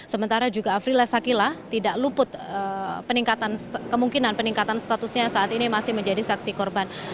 sementara juga afrila sakila tidak luput kemungkinan peningkatan statusnya saat ini masih menjadi saksi korban